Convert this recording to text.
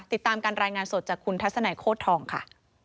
ติดตามการรายงานสดจากคุณทัศนัยโคตรทองค่ะ